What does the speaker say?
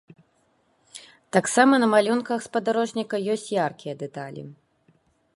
Таксама на малюнках спадарожніка ёсць яркія дэталі.